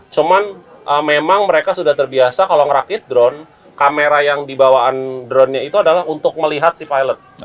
cuman memang mereka sudah terbiasa kalau ngerakit drone kamera yang dibawaan dronenya itu adalah untuk melihat si pilot